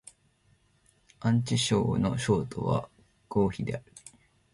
安徽省の省都は合肥である